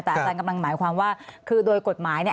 แต่อาจารย์กำลังหมายความว่าคือโดยกฎหมายเนี่ย